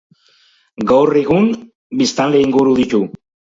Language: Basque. Gaur egun biztanle inguru ditu.